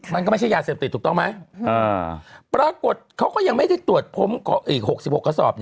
มันก็ไม่ใช่ยาเสพติดถูกต้องไหมปรากฏเขาก็ยังไม่ได้ตรวจพบอีก๖๖กระสอบ